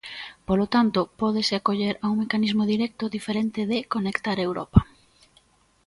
Polo tanto, pódese acoller a un mecanismo directo diferente de Conectar Europa.